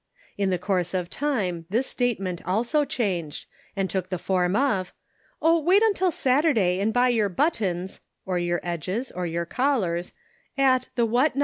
In the course of time this statement also changed, and took the form of, " Oh wait until Saturday and buy your buttons (or your edges or your collars) at ' The What The Ends Meet.